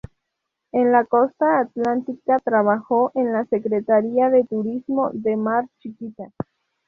En la Costa Atlántica, trabajó en la Secretaría de Turismo de Mar Chiquita.